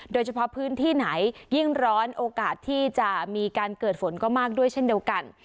โดยเฉพาะพื้นที่ไหนยิ่งร้อนโอกาสที่จะมีการเกิดฝนก็มากด้วยเช่นเดียวกัน